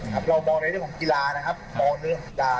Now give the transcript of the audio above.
เรามองในเรื่องของกีฬานะครับ